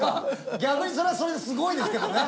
逆にそれはそれですごいですけどね。